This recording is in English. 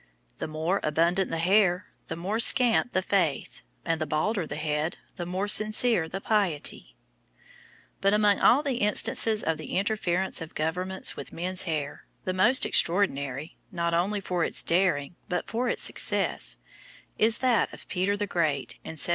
The more abundant the hair, the more scant the faith; and the balder the head, the more sincere the piety. [Illustration: PETER THE GREAT.] But among all the instances of the interference of governments with men's hair, the most extraordinary, not only for its daring, but for its success, is that of Peter the Great, in 1705.